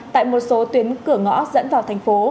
tại một số tuyến cửa ngõ dẫn vào thành phố